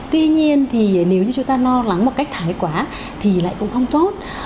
tuy nhiên thì nếu như chúng ta lo lắng một cách thái quá thì lại cũng không tốt